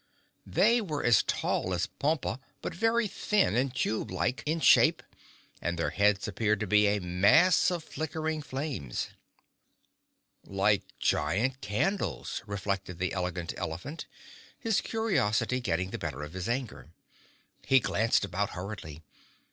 They were as tall as Pompa but very thin and tube like in shape and their heads appeared to be a mass of flickering flames. "Like giant candles," reflected the Elegant Elephant, his curiosity getting the better of his anger. He glanced about hurriedly.